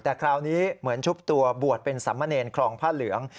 แต่คราวนี้เหมือนชุบตัวบวชเป็นสามเณรครองผ้าเหลือง